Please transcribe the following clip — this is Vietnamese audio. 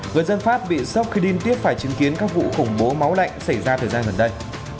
người dân pháp bị sốc khi đi tiếp phải chứng kiến các vụ khủng bố máu lạnh xảy ra thời gian gần đây